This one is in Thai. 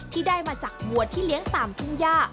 ที่ได้มาจากวัวที่เลี้ยงตามทุ่งย่า